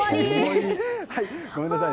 ごめんなさい